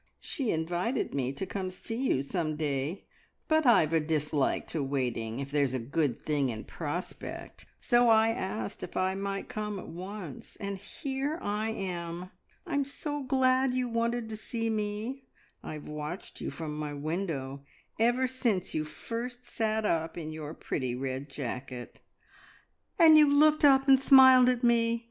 "She invited me to come to see you some day, but I've a dislike to waiting, if there's a good thing in prospect, so I asked if I might come at once, and here I am! I'm so glad you wanted to see me. I have watched you from my window, ever since you first sat up in your pretty red jacket." "And you looked up and smiled at me!